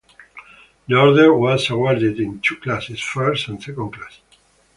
The Order was awarded in two classes: first and second class.